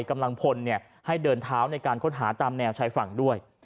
กำลังพลให้เดินเท้าในการค้นหาตามแนวชายฝั่งด้วย